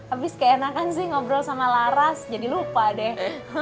abis keenakan sih ngobrol sama laras jadi lupa deh